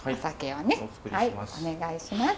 はいお願いします。